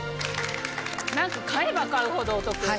なんと買えば買うほどお得。